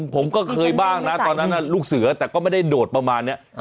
ผมก็เคยบ้างนะตอนนั้นลูกเสือแต่ก็ไม่ได้โดดประมาณนี้